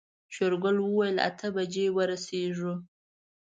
شېرګل وويل اته بجې ورسيږو.